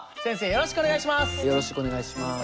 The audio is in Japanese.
よろしくお願いします。